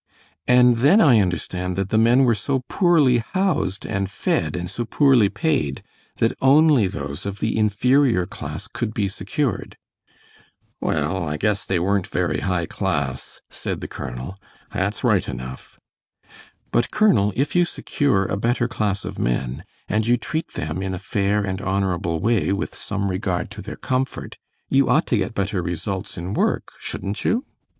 "And then I understand that the men were so poorly housed and fed and so poorly paid that only those of the inferior class could be secured." "Well, I guess they weren't very high class," said the colonel, "that's right enough." "But, Colonel, if you secure a better class of men, and you treat them in a fair and honorable way with some regard to their comfort you ought to get better results in work, shouldn't you?"